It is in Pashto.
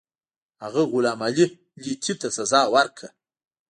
هغه غلام علي لیتي ته سزا ورکړه.